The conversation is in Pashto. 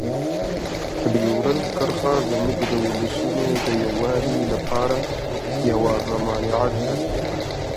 ډیورنډ کرښه زموږ د ولسونو د یووالي لپاره یوه ممانعت ده.